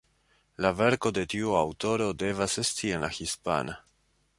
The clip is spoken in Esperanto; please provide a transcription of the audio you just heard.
La verko de tiu aŭtoro devas esti en la hispana.